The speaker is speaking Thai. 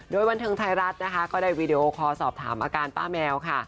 โดยบันเทิงไทยรัฐนะคะก็ได้วีดีโอคอลสอบถามอาการป้าแมวค่ะ